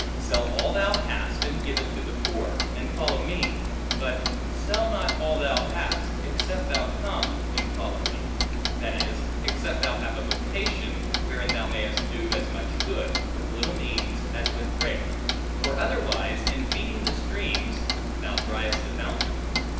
Sell all thou hast, and give it to the poor, and follow me: but, sell not all thou hast, except thou come and follow me; that is, except thou have a vocation, wherein thou mayest do as much good, with little means as with great; for otherwise, in feeding the streams, thou driest the fountain.